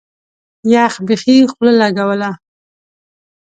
يخ بيخي خوله لګوله.